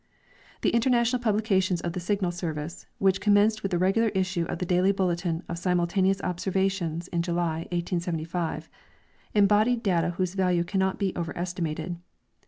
The international publications of the Signal service, Avhich commenced Avith the regular issue of the daily bulletin of simul taneous, ooserv^ations in July, 1875, embodied data whose A'alue cannot be overestimated.